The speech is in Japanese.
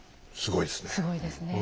すごいですねえ。